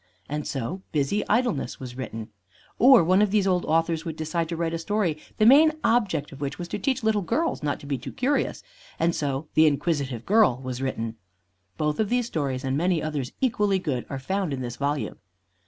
And so "Busy Idleness" was written. Or one of these old authors would decide to write a story the main object of which was to teach little girls not to be too curious, and so "The Inquisitive Girl" was written. Both of these stories, and many others equally good, are found in this volume.